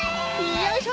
よいしょ！